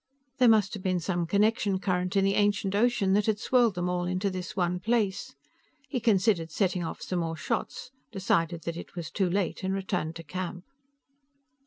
There must have been some convection current in the ancient ocean that had swirled them all into this one place. He considered setting off some more shots, decided that it was too late and returned to camp.